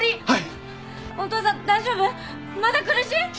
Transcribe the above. ☎はい。